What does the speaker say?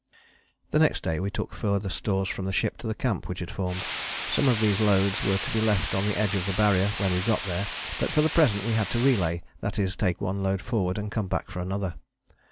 The next day we took further stores from the ship to the camp which had formed. Some of these loads were to be left on the edge of the Barrier when we got there, but for the present we had to relay, that is, take one load forward and come back for another.